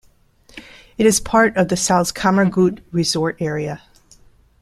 It is part of the Salzkammergut resort area.